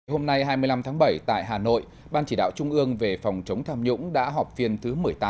hôm nay hai mươi năm tháng bảy tại hà nội ban chỉ đạo trung ương về phòng chống tham nhũng đã họp phiên thứ một mươi tám